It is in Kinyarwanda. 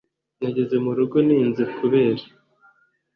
Nageze murugo ntize kubera